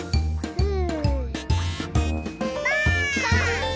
うん？